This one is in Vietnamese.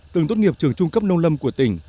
từng tốt nghiệp trường trung cấp nông lâm của tỉnh